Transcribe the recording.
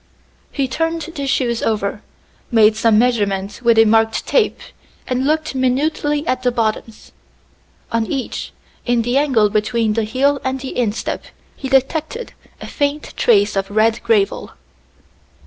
He turned the shoes over, made some measurements with a marked tape, and looked minutely at the bottoms. On each, in the angle between the heel and the instep, he detected a faint trace of red gravel.